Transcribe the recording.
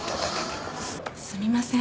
すみません。